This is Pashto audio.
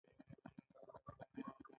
دوی راډیو او ټلویزیون هم په خپل واک کې کاروي